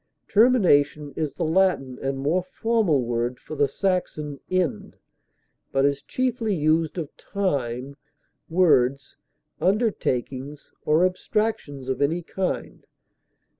Termination is the Latin and more formal word for the Saxon end, but is chiefly used of time, words, undertakings, or abstractions of any kind.